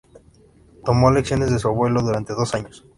Tomó lecciones de su abuelo durante dos años.